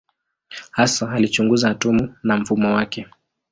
Hasa alichunguza atomu na mfumo wake.